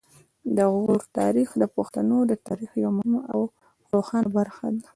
د غور تاریخ د پښتنو د تاریخ یوه مهمه او روښانه برخه ده